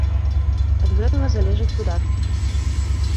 Ад гэтага залежаць выдаткі.